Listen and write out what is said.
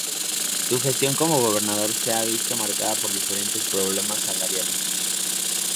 Su gestión como gobernador se ha visto marcada por diferentes problemas salariales.